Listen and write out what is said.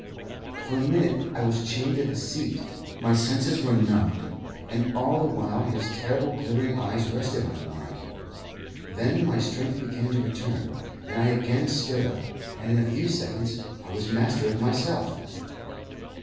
For a minute I was chained to the seat. My senses were numbed, and, all the while his terrible glittering eyes rested on mine. Then my strength began to return, and I again stood up, and in a few seconds I was master of myself.